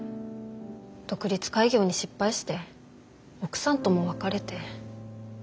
独立開業に失敗して奥さんとも別れて。